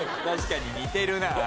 確かに似てるな。